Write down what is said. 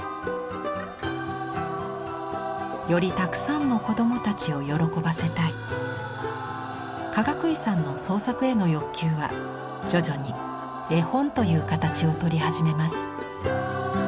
よりたくさんの子どもたちを喜ばせたい。かがくいさんの創作への欲求は徐々に絵本という形をとり始めます。